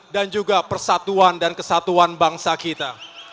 dan juga persatuan dan kesatuan bangsa kita